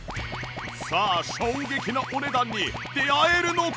さあ衝撃のお値段に出会えるのか？